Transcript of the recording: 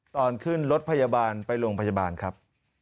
ตอนขึ้นรถพยาบาลไปโรงพยาบาลครับ